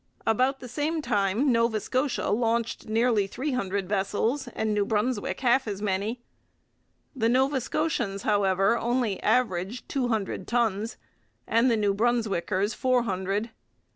About the same time Nova Scotia launched nearly three hundred vessels and New Brunswick half as many. The Nova Scotians, however, only averaged two hundred tons, and the New Brunswickers four hundred.